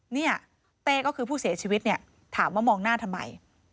เนี่ยเต้ก็คือผู้เสียชีวิตเนี่ยถามว่ามองหน้าทำไม